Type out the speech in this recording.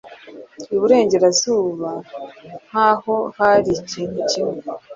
iburengerazuba nkaho hari ikintu kimwe